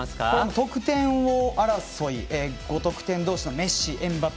得点王争い５得点同士、メッシ、エムバペ。